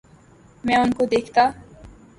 میں ان کو دیکھتا